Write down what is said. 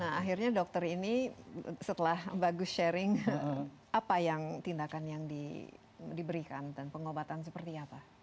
nah akhirnya dokter ini setelah bagus sharing apa yang tindakan yang diberikan dan pengobatan seperti apa